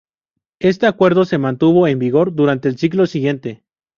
Este acuerdo se mantuvo en vigor durante el siglo siguiente.